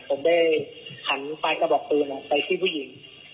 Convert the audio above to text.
ผมได้หันปลายกระบอกปืนไปที่ผู้หญิง